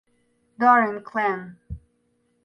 Dharan Clan